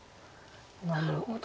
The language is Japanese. なるほど。